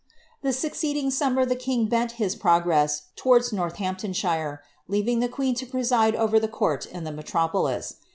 The succeeding summer llie king bent his progress towards Rotili amptonshire, leaving the queen to preside over ilie court in the metropo lis.